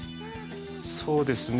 そうですね